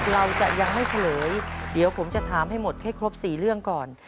เราจะยังไม่เฉลยเดี๋ยวผมจะถามให้หมดให้ครบ๔เรื่องก่อน